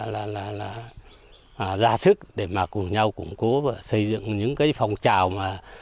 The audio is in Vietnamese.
là là là là ra sức để mà cùng nhau củng cố và xây dựng những cái phòng trào mà